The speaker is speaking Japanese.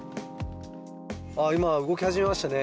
今、動き始めましたね。